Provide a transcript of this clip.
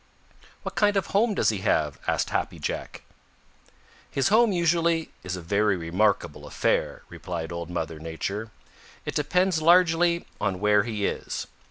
"What kind of a home does he have?" asked Happy Jack. "His home usually is a very remarkable affair," replied Old Mother Nature. "It depends largely on where he is.